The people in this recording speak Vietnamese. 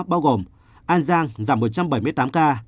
bao gồm an giang giảm một trăm bảy mươi tám ca